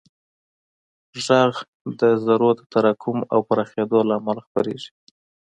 غږ د ذرّو د تراکم او پراخېدو له امله خپرېږي.